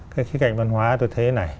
cái khía cạnh văn hóa tôi thấy thế này